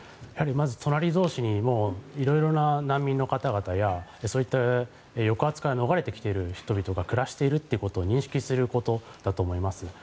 隣同士に色々な難民の方々やそういった抑圧から逃れてきている人が暮らしているということを認識することだと思います。